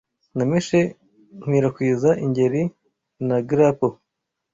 Nameshe nkwirakwiza ingeri na grapple